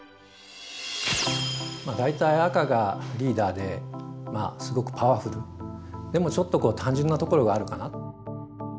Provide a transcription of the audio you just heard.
まあ大体赤がリーダーですごくパワフルでもちょっと単純なところがあるかな？